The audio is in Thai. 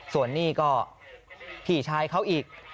ส่วนนี้ก็พี่ชายเขาอีก